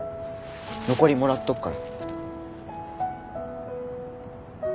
残りもらっとくから。